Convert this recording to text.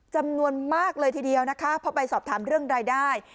จำนวนมากเลยทีเดียวนะคะพอไปสอบถามเรื่องรายได้